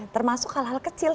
termasuk hal hal kecil